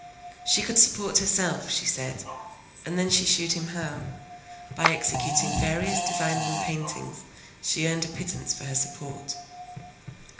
She could support herself, she said. And then she shewed him how, by executing various designs and paintings, she earned a pittance for her support.